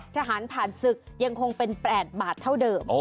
ทหารผ่านศึกยังคงเป็น๘บาทเท่าเดิม